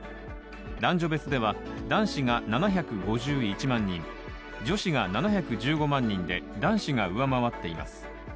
男女別では男子が７５１万人、女子が７１５万人で男子が上回っています。